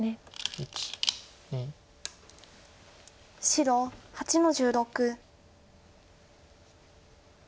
白８の十六。